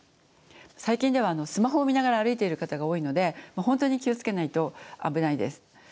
最近ではスマホを見ながら歩いている方が多いので本当に気を付けないと危ないです。